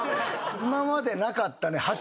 今までなかったね。